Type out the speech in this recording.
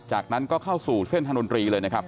จากนั้นก็เข้าสู่เส้นทางดนตรีเลยนะครับ